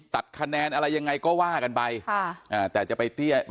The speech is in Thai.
ตัดคะแนนอะไรยังไงก็ว่ากันไปค่ะอ่าแต่จะไปเตี้ย